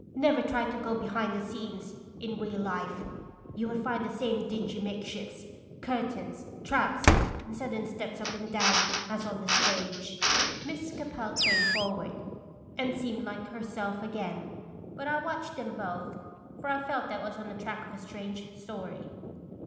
"Never try to go behind the scenes in real life. You would find the same dingy makeshifts, cur tains, traps, and sudden steps up and down, as on the stage." Mrs. Capel came forward, and seemed like herself again. But I watched them both, for I felt that 1 was on the track of a strange story.